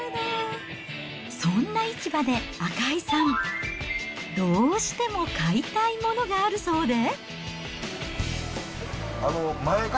そんな市場で赤井さん、どうしても買いたいものがあるそうで。